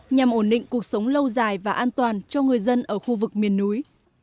nhằm ổn định cuộc sống lâu dài và an toàn cho người dân ở khu vực miền núi